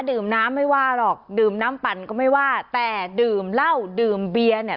ดื่มน้ำไม่ว่าหรอกดื่มน้ำปั่นก็ไม่ว่าแต่ดื่มเหล้าดื่มเบียร์เนี่ย